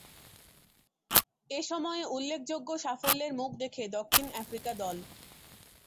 এ সময়ে উল্লেখযোগ্য সাফল্যের মুখ দেখে দক্ষিণ আফ্রিকা দল।